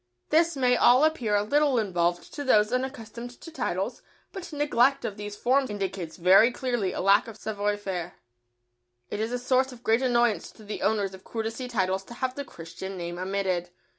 This may all appear a little involved to those unaccustomed to titles, but neglect of these forms indicates very clearly a lack of savoir faire. It is a source of great annoyance to the owners of courtesy titles to have the Christian name omitted.